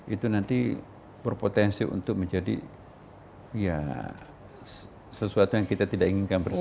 itu nanti berpotensi untuk menjadi sesuatu yang kita tidak inginkan bersama